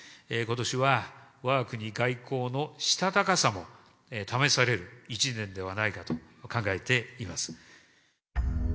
ことしはわが国外交のしたたかさも試される一年ではないかと考え